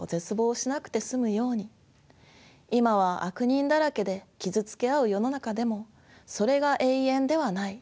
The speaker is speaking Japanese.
今は悪人だらけで傷つけ合う世の中でもそれが永遠ではない。